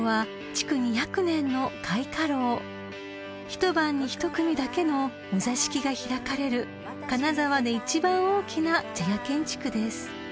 ［一晩に１組だけのお座敷が開かれる金沢で一番大きな茶屋建築です］